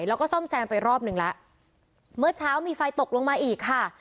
แล้วก็ซ่อมแซมไปรอบหนึ่งแล้วเมื่อเช้ามีไฟตกลงมาอีกค่ะ